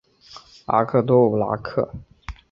阿克多武拉克。